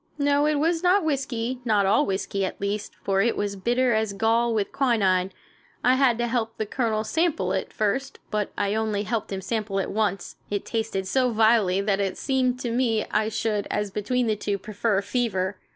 No, it was not whiskey, not all whiskey, at least, for it was bitter as gall with quinine. I had to help the Colonel sample it at first, but I only helped him sample it once. It tasted so vilely that it seemed to me I should, as between the two, prefer fever.